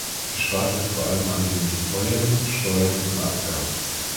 Gespart wird vor allem an den Heuern, Steuern und Abgaben.